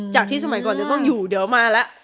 ที่สมัยก่อนจะต้องอยู่เดี๋ยวมาแล้ว